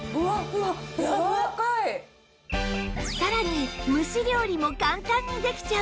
さらに蒸し料理も簡単にできちゃうんです